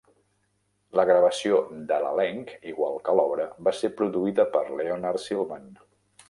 La gravació de l'elenc, igual que l'obra, va ser produïda per Leonard Sillman.